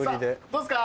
どうっすか？